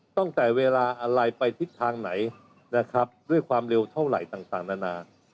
ตั้งแต่เวลาอะไรไปทิศทางไหนนะครับด้วยความเร็วเท่าไหร่ต่างนานา